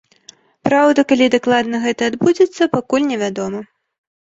Праўда, калі дакладна гэта адбудзецца, пакуль невядома.